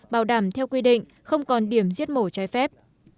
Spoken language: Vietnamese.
bảo đảm theo quy định không còn điểm giết mổ trái phép